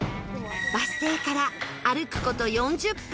バス停から歩く事４０分